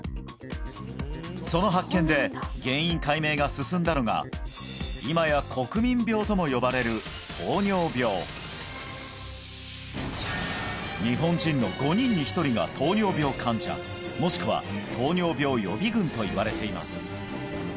その発見で原因解明が進んだのが今や国民病とも呼ばれる日本人の５人に１人が糖尿病患者もしくは糖尿病予備群といわれています